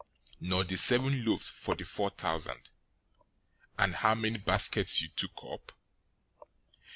016:010 Nor the seven loaves for the four thousand, and how many baskets you took up?